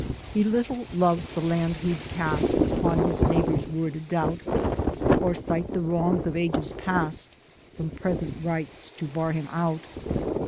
He little loves the land who'd cast Upon his neighbour's word a doubt, Or cite the wrongs of ages past From present rights to bar him out.